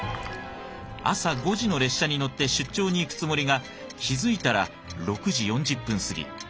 朝５時の列車に乗って出張に行くつもりが気付いたら６時４０分過ぎ。